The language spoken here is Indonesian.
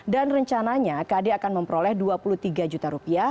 dan rencananya kd akan memperoleh dua puluh tiga juta rupiah